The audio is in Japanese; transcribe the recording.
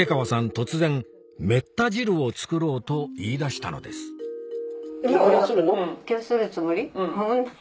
突然めった汁を作ろうと言いだしたのですうん。